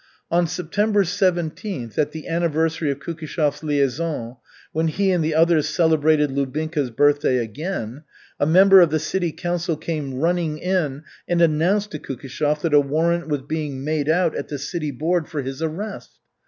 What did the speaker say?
On September 17th, at the anniversary of Kukishev's liaison, when he and the others celebrated Lubinka's birthday again, a member of the city council came running in and announced to Kukishev that a warrant was being made out at the City Board for his arrest.